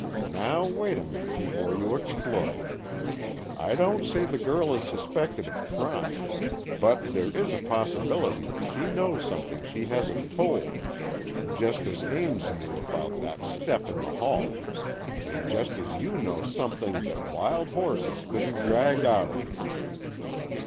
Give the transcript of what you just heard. Now, wait a minute before you explode. I don't say the girl is suspected of crime, but there is a possibility that she knows something she hasn't told, just as Ames knew about that step in the hall, and just as you know something that wild horses couldn't drag out of you."